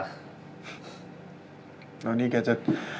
แล้วนี่แกจะ